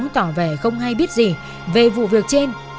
tỏ vẻ không hay biết gì về vụ việc trên